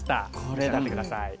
召し上がって下さい。